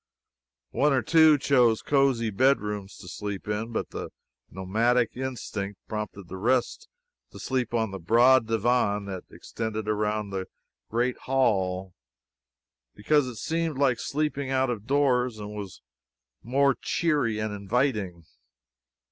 One or two chose cosy bed rooms to sleep in, but the nomadic instinct prompted the rest to sleep on the broad divan that extended around the great hall, because it seemed like sleeping out of doors, and so was more cheery and inviting.